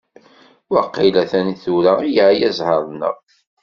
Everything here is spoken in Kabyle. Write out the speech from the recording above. Waqil atan tura i yeεya ẓẓher-nneɣ.